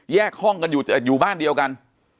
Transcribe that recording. ห้องกันอยู่บ้านเดียวกัน